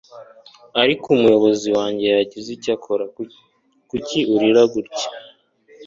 Ariko umuyobozi wanjye yagize icyo akora Kuki urira gutya